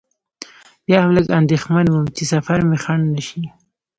بیا هم لږ اندېښمن وم چې سفر مې خنډ نه شي.